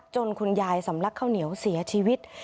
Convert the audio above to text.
คุณยายสำลักข้าวเหนียวเสียชีวิต